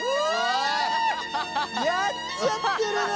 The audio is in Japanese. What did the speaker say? やっちゃってるね。